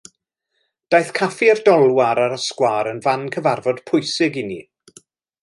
Daeth Caffe'r Dolwar ar y sgwâr yn fan cyfarfod pwysig i ni.